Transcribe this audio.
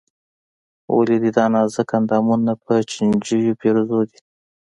ولې دې دا نازک اندامونه په چينجيو پېرزو دي.